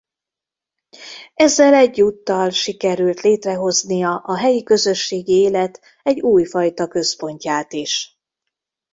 Ezzel egyúttal sikerült létrehoznia a helyi közösségi élet egy újfajta központját is.